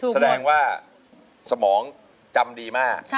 แสดงว่าสมองจำดีมาก